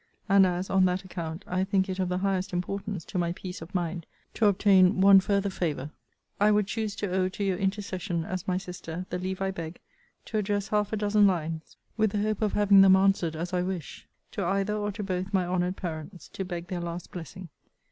And as, on that account, I think it of the highest importance to my peace of mind to obtain one farther favour, I would choose to owe to your intercession, as my sister, the leave I beg, to address half a dozen lines (with the hope of having them answered as I wish) to either or to both my honoured parents, to beg their last blessing.